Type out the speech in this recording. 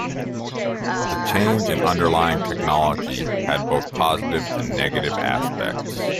The change in underlying technology had both positive and negative aspects.